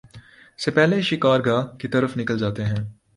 سے پہلے شکار گاہ کی طرف نکل جاتے ہیں